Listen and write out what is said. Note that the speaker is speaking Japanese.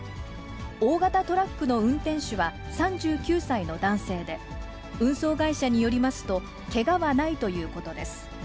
大型トラックの運転手は３９歳の男性で、運送会社によりますと、けがはないということです。